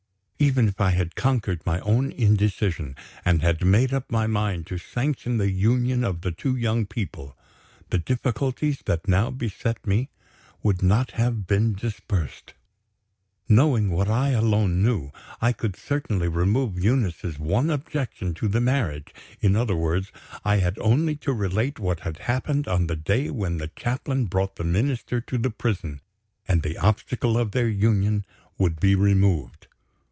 Even if I had conquered my own indecision, and had made up my mind to sanction the union of the two young people, the difficulties that now beset me would not have been dispersed. Knowing what I alone knew, I could certainly remove Eunice's one objection to the marriage. In other words, I had only to relate what had happened on the day when the Chaplain brought the Minister to the prison, and the obstacle of their union would be removed.